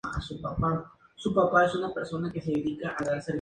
Y urbanización alto de San Pedro.